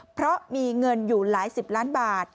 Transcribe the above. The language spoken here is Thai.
เพราะมีเงินอยู่หลายสิบล้านบาท